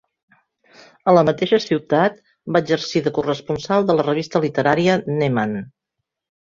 A la mateixa ciutat va exercir de corresponsal de la revista literària ‘Neman’.